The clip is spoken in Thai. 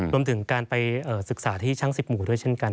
รวมถึงการไปศึกษาที่ช่าง๑๐หมู่ด้วยเช่นกัน